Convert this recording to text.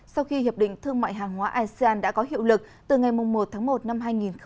sau khi hiệp định thương mại hàng hóa asean đã có hiệu lực từ ngày một tháng một năm hai nghìn hai mươi